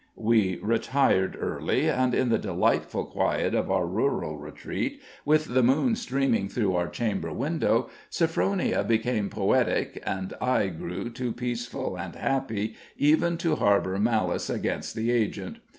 We retired early, and in the delightful quiet of our rural retreat, with the moon streaming through our chamber window, Sophronia became poetic, and I grew too peaceful and happy even to harbor malice against the agent.